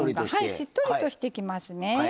しっとりとしてきますね。